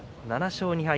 ７勝２敗